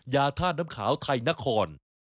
ยาท่าน้ำขาวไทยนคร